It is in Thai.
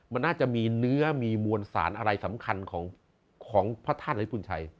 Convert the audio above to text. มันน่าจะมีเนื้อมีมวลสารอะไรสำคัญของพระธาตุลิปุณชัย